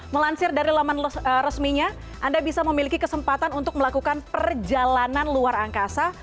melansir dari laman resminya anda bisa memiliki kesempatan untuk melakukan perjalanan luar angkasa